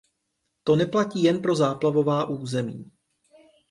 To neplatí jen pro záplavová území.